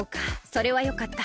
それはよかった。